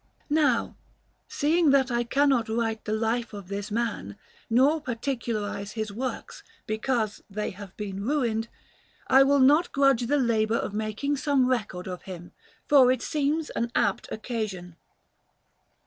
Panel_)] Now, seeing that I cannot write the life of this man, nor particularize his works, because they have been ruined, I will not grudge the labour of making some record of him, for it seems an apt occasion.